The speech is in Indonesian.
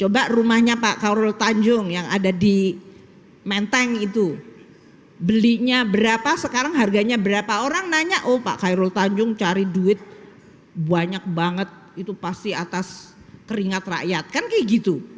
banyak banget itu pasti atas keringat rakyat kan kayak gitu